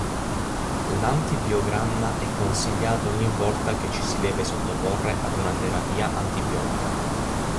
L'antibiogramma è consigliato ogni volta che ci si deve sottoporre ad una terapia antibiotica.